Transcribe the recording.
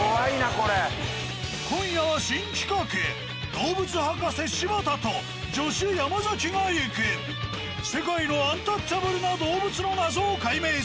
［動物博士柴田と助手山崎が行く世界のアンタッチャブルな動物の謎を解明する］